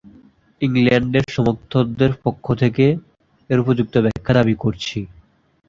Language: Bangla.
ইংল্যান্ডের সমর্থকদের পক্ষ থেকে এর উপযুক্ত ব্যাখ্যা দাবী করছি।